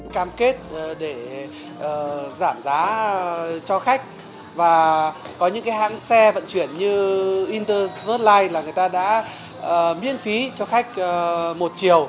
cam kết để giảm giá cho khách và có những hãng xe vận chuyển như intersquadline là người ta đã miên phí cho khách một triệu